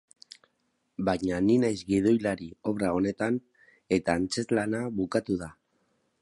Baina ni naiz gidoilari obra honetan eta antzezlana bukatu da.